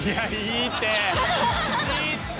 いいって！